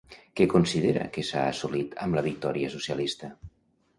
Què considera que s'ha assolit amb la victòria socialista?